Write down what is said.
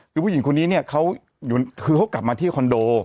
คือผู้หญิงคนนี้เนี่ยเขาคือเขากลับมาที่คอนโด